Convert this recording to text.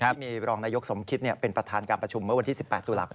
ที่มีรองนายกสมคิตเป็นประธานการประชุมเมื่อวันที่๑๘ตุลาคม